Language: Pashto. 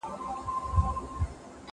هغه څوک چي واښه راوړي منظم وي،